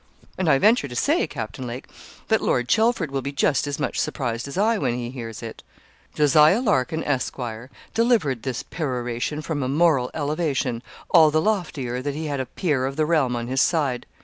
And I venture to say, Captain Lake, that Lord Chelford will be just as much surprised as I, when he hears it.' Jos. Larkin, Esq., delivered this peroration from a moral elevation, all the loftier that he had a peer of the realm on his side.